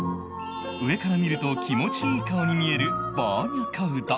上から見ると気持ちいい顔に見えるバーニャカウダ